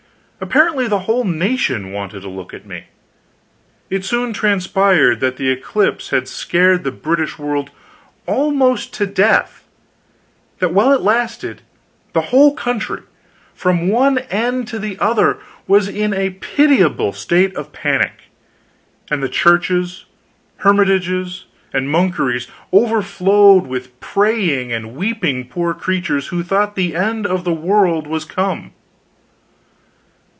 Apparently the whole nation wanted a look at me. It soon transpired that the eclipse had scared the British world almost to death; that while it lasted the whole country, from one end to the other, was in a pitiable state of panic, and the churches, hermitages, and monkeries overflowed with praying and weeping poor creatures who thought the end of the world was come.